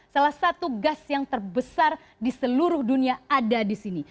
salah satu gas yang terbesar di seluruh dunia ada di sini